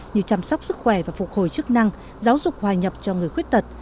như chăm sóc sức khỏe và phục hồi chức năng giáo dục hòa nhập cho người khuyết tật